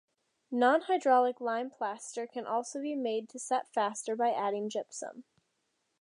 Non-hydraulic lime plaster can also be made to set faster by adding gypsum.